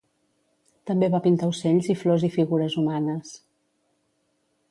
També va pintar ocells i flors i figures humanes.